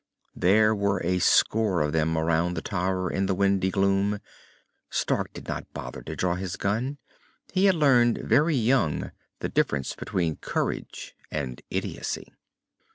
There were a score of them around the tower in the windy gloom. Stark did not bother to draw his gun. He had learned very young the difference between courage and idiocy.